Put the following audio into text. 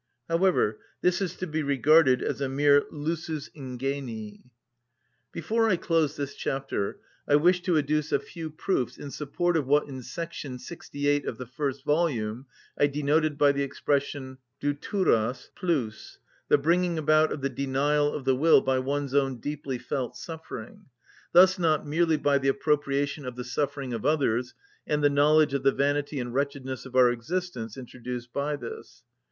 However, this is to be regarded as a mere lusus ingenii. Before I close this chapter I wish to adduce a few proofs in support of what in § 68 of the first volume I denoted by the expression Δευτυρος πλους, the bringing about of the denial of the will by one's own deeply felt suffering, thus not merely by the appropriation of the suffering of others, and the knowledge of the vanity and wretchedness of our existence introduced by this.